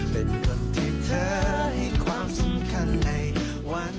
เป็นคนที่เธอให้ความสำคัญในวัน